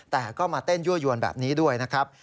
แต่ก็มาเต้นยั่วยวนแบบนี้ด้วยนะครับ